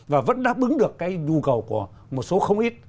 và vẫn đáp ứng được cái nhu cầu của một số không ít